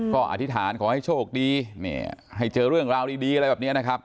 ก็อธิษฐานขอให้โชคดีให้เจอเรื่องราวดีอะไรแบบนี้นะครับ